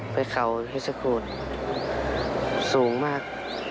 ไปเขาให้สกูลสูงมาก